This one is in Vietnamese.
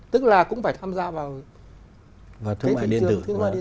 tức là cũng phải tham gia vào thương mại điện tử